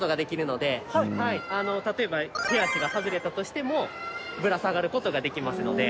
例えば手足が外れたとしてもぶら下がる事ができますので。